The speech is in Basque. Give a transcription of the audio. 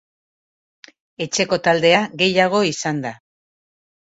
Etxeko taldea gehiago izan da.